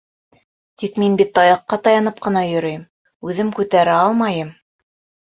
Тик мин бит таяҡҡа таянып ҡына йөрөйөм, үҙем күтәрә алмайым.